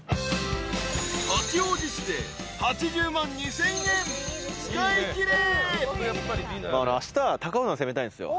［八王子市で８０万２，０００円使いきれ］